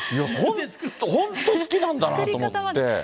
本当、好きなんだなと思って。